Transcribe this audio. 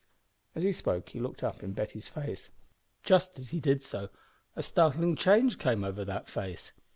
As he spoke he looked up in Betty's face. Just as he did so a startling change came over that face.